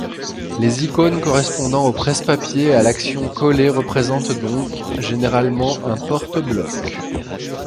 Les icônes correspondant au presse-papier et à l'action coller représentent donc généralement un porte-bloc.